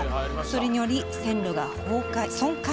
それにより線路が損壊。